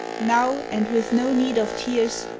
Now, and with no need of tears.